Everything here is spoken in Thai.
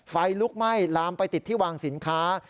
ไฟลุกไหม้ลามไปติดที่วางสินค้า